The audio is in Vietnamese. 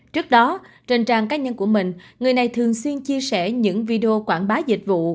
trước đó trên trang cá nhân của mình người này thường xuyên chia sẻ những video quảng bá dịch vụ